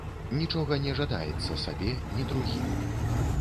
Нічога не жадаецца сабе, ні другім.